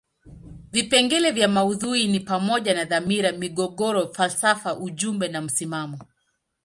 Vipengele vya maudhui ni pamoja na dhamira, migogoro, falsafa ujumbe na msimamo.